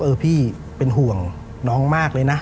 พี่เป็นห่วงน้องมากเลยนะ